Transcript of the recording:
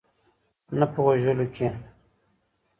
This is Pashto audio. نه په وژلو کې.